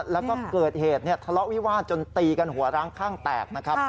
แล้วก็เกิดเหตุทะเลาะวิวาสจนตีกันหัวร้างข้างแตกนะครับ